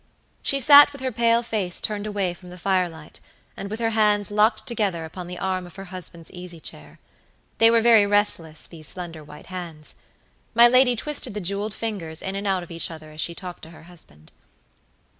She sat with her pale face turned away from the firelight, and with her hands locked together upon the arm of her husband's easy chair. They were very restless, these slender white hands. My lady twisted the jeweled fingers in and out of each other as she talked to her husband.